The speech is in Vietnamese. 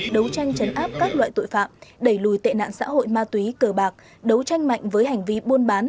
đấu tranh chấn áp các loại tội phạm đẩy lùi tệ nạn xã hội ma túy cờ bạc đấu tranh mạnh với hành vi buôn bán